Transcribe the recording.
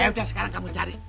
ya udah sekarang kamu cari